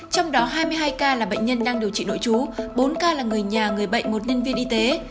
trong đó hai mươi hai ca là bệnh nhân đang điều trị nội chú bốn ca là người nhà người bệnh một nhân viên y tế